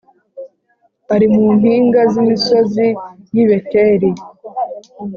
Ari mu mpinga z’ imisozi y’ i Beteri